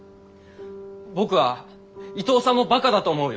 僕は伊藤さんもバカだと思うよ！